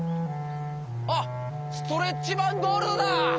あっストレッチマン・ゴールドだ！